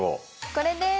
これです。